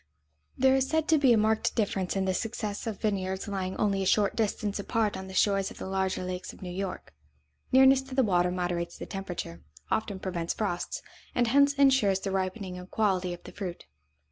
There is said to be a marked difference in the success of vineyards lying only a short distance apart on the shores of the larger lakes of New York. Nearness to the water moderates the temperature, often prevents frosts, and hence insures the ripening and quality of the fruit.